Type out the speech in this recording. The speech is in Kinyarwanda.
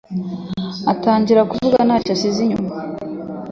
Atangira kuvuga ntacyo asize inyuma